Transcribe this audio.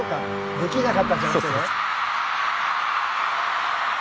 できなかったんじゃなくてね。